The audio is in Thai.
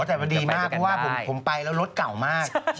อ๋อแต่ดีมากก็ว่าผมไปแล้วรถเก่ามาก